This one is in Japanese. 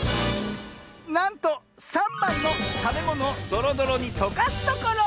なんと３ばんの「たべものをどろどろにとかすところ」！